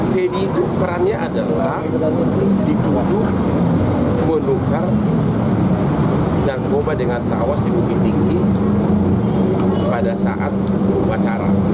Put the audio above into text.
teddy itu perannya adalah ditutup menukar dan mengubah dengan tawas di bukit tinggi pada saat wacara